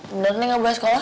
bener bener gak boleh sekolah